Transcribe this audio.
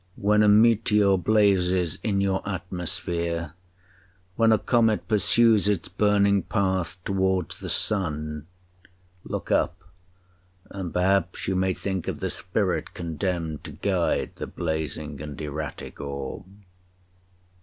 When a meteor blazes in your atmosphere—when a comet pursues its burning path towards the sun—look up, and perhaps you may think of the spirit condemned to guide the blazing and erratic orb.'